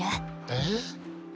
えっ。